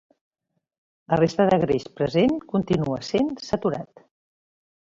La resta de greix present continua sent saturat.